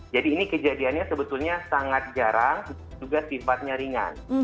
jadi ini kejadiannya sebetulnya sangat jarang juga sifatnya ringan